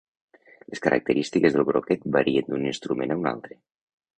Les característiques del broquet varien d'un instrument a un altre.